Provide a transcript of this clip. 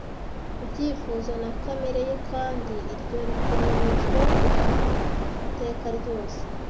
ibyifuzo, na kamere ye kandi “iryo rikomerejwe guhama iteka ryose